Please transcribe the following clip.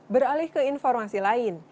beralih ke informasi lain